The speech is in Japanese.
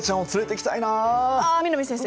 ああ南先生。